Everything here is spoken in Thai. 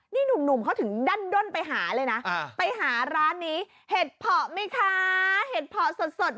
นี่หนุ่มเขาถึงดั้นด้นไปหาเลยนะไปหาร้านนี้เห็ดเพาะไหมคะเห็ดเพาะสด